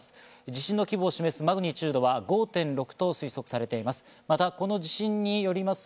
地震の規模を示すマグニチュードは５．６と推測されています。